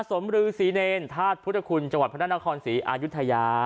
สมรือศรีเนรธาตุพุทธคุณจังหวัดพระนครศรีอายุทยา